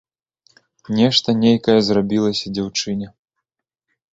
Нешта нейкае зрабілася дзяўчыне.